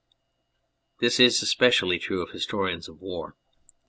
This is especially true of historians of war.